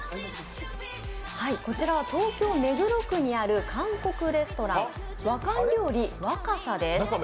こちらは東京・目黒区にある韓国レストラン、和韓料理若狭です。